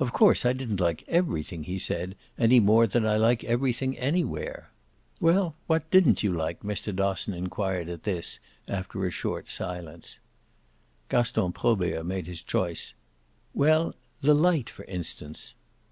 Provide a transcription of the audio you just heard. "Of course I didn't like EVERYTHING," he said, "any more than I like everything anywhere." "Well, what didn't you like?" Mr. Dosson enquired, at this, after a short silence. Gaston Probert made his choice. "Well, the light for instance."